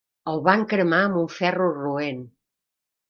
El van cremar amb un ferro roent.